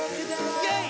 イェイ！